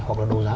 hoặc là đồ giá